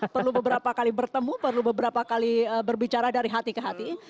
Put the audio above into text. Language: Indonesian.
perlu beberapa kali bertemu perlu beberapa kali berbicara dari hati ke hati